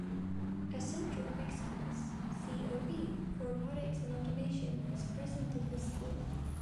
A Centre of Excellence (CoE) for Robotics and Automation is present in this school.